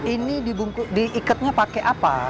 ini diikatnya pakai apa